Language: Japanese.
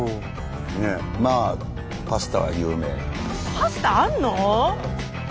パスタあるの？